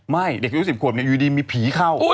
เด็กอายุ๑๐ขวบอยู่ดีมีผีเข้า